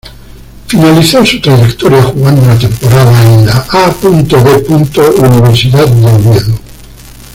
Finalizó su trayectoria jugando una temporada en la A. D. Universidad de Oviedo.